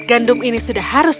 gandum ini sudah harus